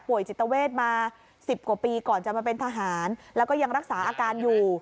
จิตเวทมา๑๐กว่าปีก่อนจะมาเป็นทหารแล้วก็ยังรักษาอาการอยู่